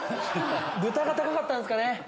豚が高かったんすかね。